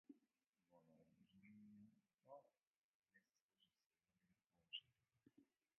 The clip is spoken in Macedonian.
Во наргилињата не се служи смрдлив овошен тутун.